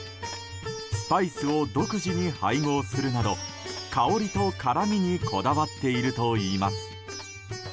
スパイスを独自に配合するなど香りと辛みにこだわっているといいます。